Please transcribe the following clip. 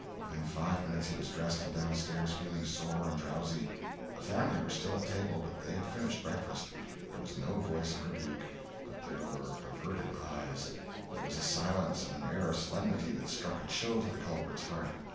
Within five minutes he was dressed and down stairs, feeling sore and drowsy. The family were still at table, but they had finished breakfast. There was no voice of rebuke; but there were averted eyes; there was a silence and an air of solemnity that struck a chill to the culprit's heart.